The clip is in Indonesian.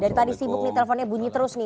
dari tadi sibuk nih teleponnya bunyi terus nih